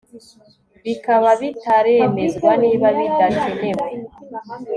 Bikaba bitaremezwa niba bidakenewe